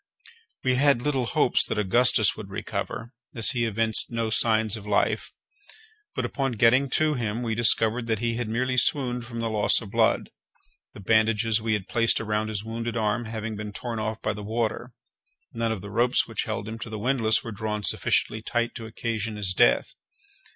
We had little hopes that Augustus would recover, as he evinced no signs of life; but, upon getting to him, we discovered that he had merely swooned from the loss of blood, the bandages we had placed around his wounded arm having been torn off by the water; none of the ropes which held him to the windlass were drawn sufficiently tight to occasion his death.